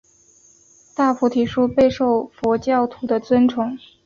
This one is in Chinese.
大菩提树备受佛教徒的尊崇。